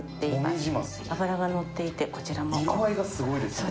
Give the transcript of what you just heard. もみじ鱒脂がのっていてこちらも色合いがすごいですね